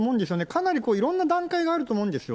かなりいろんな段階があると思うんですよ。